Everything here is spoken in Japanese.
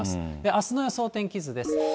あすの予想天気図です。